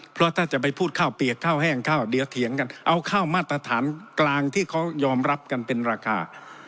เพราะถ้าจะไปพูดข้าวเปียกข้าวแห้งข้าวเดี๋ยวเถียงกันเอาข้าวมาตรฐานกลางที่เขายอมรับกันเป็นราคา